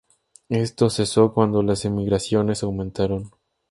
Esto cesó cuando las emigraciones aumentaron.